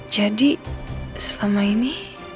jadi selama ini